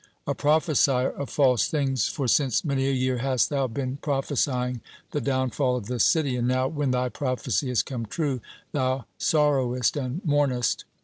A prophesier of false things for since many a year hast thou been prophesying the downfall of this city, and now, when thy prophecy has come true, thou sorrowest and mournest.